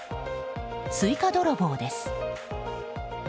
スイカ泥棒です！